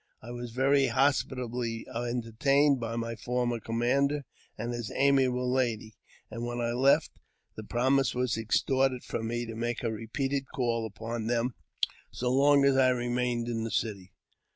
I was very hospitably enter ■ tained by my former commander and his amiable lady, and jwhen I left, the promise was extorted from me to make 'repeated calls upon them so long as I remained in the city.